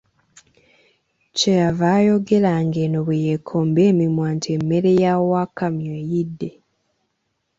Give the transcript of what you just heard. Kye yava ayogera ng'eno bwe yeekomba emimwa nti, emmere ya Wakamyu eyidde.